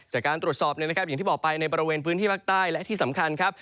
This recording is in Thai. จากการตรวจสอบอย่างที่บอกไปในบริเวณพื้นที่ภาคใต้และที่สำคัญครับ